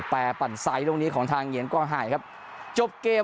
แปปั่นไซต์ตรงนี้ของทางเหียนก็หายครับจบเกม